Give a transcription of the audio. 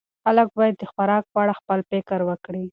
خلک باید د خوراک په اړه خپل فکر وکړي.